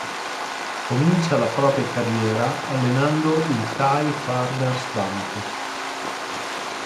Comincia la propria carriera allenando il Thai Farmers Bank.